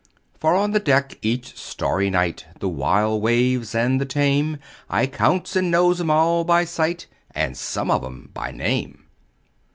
For on the deck each starry night The wild waves and the tame I counts and knows 'em all by sight And some of 'em by name.